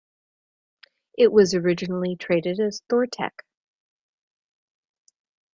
It was originally traded as Thortec.